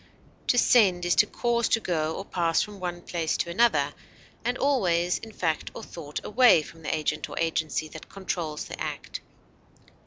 To send is to cause to go or pass from one place to another, and always in fact or thought away from the agent or agency that controls the act.